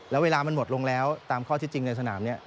แล้วเวลามันหมดลงแล้วตามข้อที่จริงในสนามนี้